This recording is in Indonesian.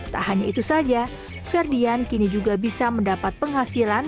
tak hanya itu saja ferdian kini juga bisa mendapat penghasilan